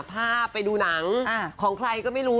ไปดูหนังของใครก็ไม่รู้